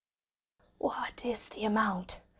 "What is the amount?"